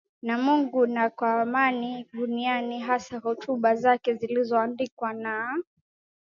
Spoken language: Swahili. na Mungu na kwa amani duniani Hasa hotuba zake zilizoandikwa na